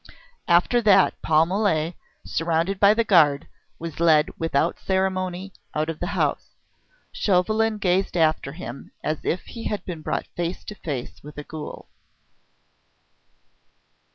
After that Paul Mole, surrounded by the guard, was led without ceremony out of the house. Chauvelin gazed after him as if he had been brought face to face with a ghoul.